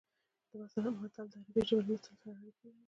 متل د عربي ژبې له مثل سره اړیکه لري